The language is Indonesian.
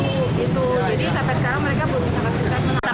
jadi sampai sekarang mereka belum bisa ngecek